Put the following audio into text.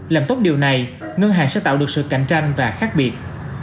làm tốt điều này ngân hàng sẽ tạo được sự cạnh tranh và khác biệt